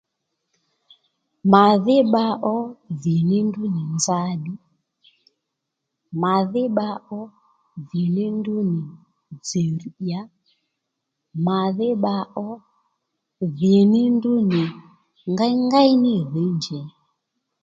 Màdhí bba ó dhì ní ndrǔ nì nza bbǐ màdhí bba ó dhì ní ndrǔ nì tsì dyǎ màdhí bba ó dhì ní ndrǔ nì ngengéy ní dhǐ njěy